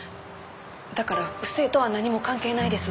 だから不正とは何も関係ないです。